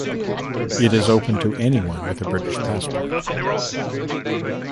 It is open to anyone with a British passport.